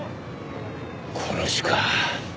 殺しか。